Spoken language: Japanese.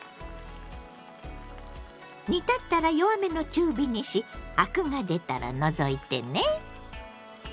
煮立ったら弱めの中火にしアクが出たら除いてね。